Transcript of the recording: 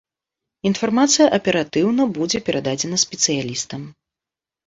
Інфармацыя аператыўна будзе перададзена спецыялістам.